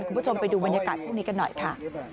คุณผู้ชมไปดูบรรยากาศช่วงนี้กันหน่อยค่ะ